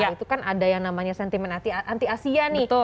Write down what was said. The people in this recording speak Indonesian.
itu kan ada yang namanya sentimen anti asia nih